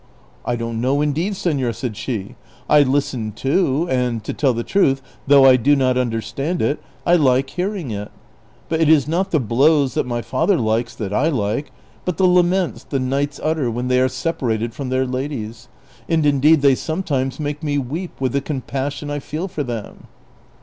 " I don't know indeed, senor," said she ;" I listen too, and to tell the truth, though I do not understand it, I like hearing it; but it is not the blows that my father likes that I like, but the laments the knights utter when they are separated from their ladies ; and indeed they sometimes make me weep with the compassion I feel for them."